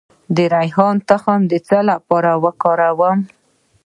د ریحان تخم د څه لپاره وکاروم؟